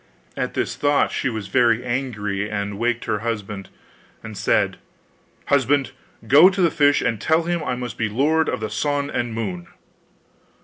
At this thought she was very angry, and wakened her husband, and said, 'Husband, go to the fish and tell him I must be lord of the sun and moon.